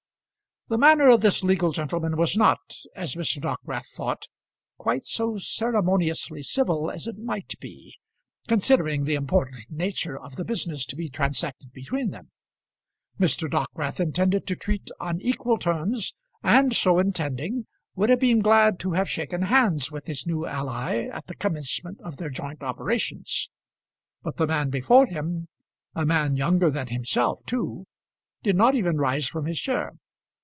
The manner of this legal gentleman was not, as Mr. Dockwrath thought, quite so ceremoniously civil as it might be, considering the important nature of the business to be transacted between them. Mr. Dockwrath intended to treat on equal terms, and so intending would have been glad to have shaken hands with his new ally at the commencement of their joint operations. But the man before him, a man younger than himself too, did not even rise from his chair.